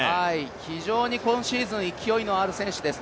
非常に今シーズン勢いのある選手です。